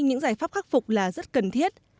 những giải pháp khắc phục là rất cần thiết